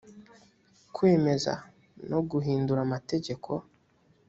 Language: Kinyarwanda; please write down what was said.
kwemeza no guhindura amategeko